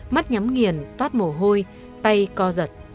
mắt nhắm nghiền toát mồ hôi tay co giật